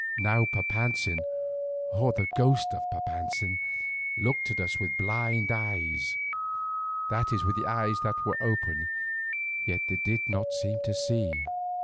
Now Papantzin, or the ghost of Papantzin, looked at us with blind eyes, that is with eyes that were open and yet did not seem to see.